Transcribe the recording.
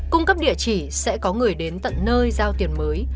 cung cấp địa chỉ sẽ có người đến tận nơi giao tiền mới